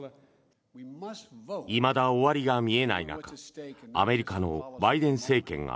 いまだ終わりが見えない中アメリカのバイデン政権が